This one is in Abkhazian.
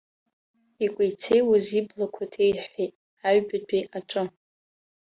Икәеи-цеиуаз иблақәа ҭеиҳәҳәеит, аҩбатәи аҿы.